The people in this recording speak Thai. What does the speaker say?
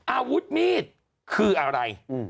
อาวุธมีดคืออะไร